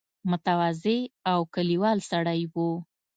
متواضع او کلیوال سړی وو.